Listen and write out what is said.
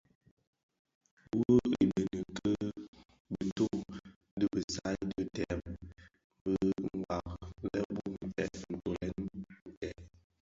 Wuo ibëňi ki bitughe dhi bisai bi dèm bi nwari lè bum ntèd ntolè nted.